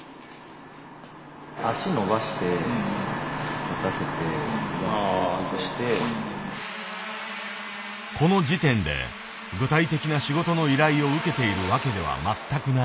この時点で具体的な仕事の依頼を受けているわけでは全くない。